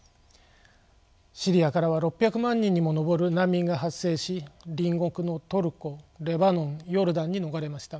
シリアからは６００万人にも上る難民が発生し隣国のトルコレバノンヨルダンに逃れました。